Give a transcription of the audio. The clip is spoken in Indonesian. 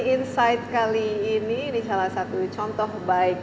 insight kali ini ini salah satu contoh baik